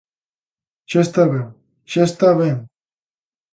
Xa está ben, ¡xa está ben!